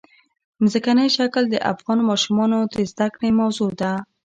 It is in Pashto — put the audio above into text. ځمکنی شکل د افغان ماشومانو د زده کړې موضوع ده.